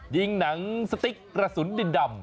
ยิงหนังสติ๊กกระสุนดินดำ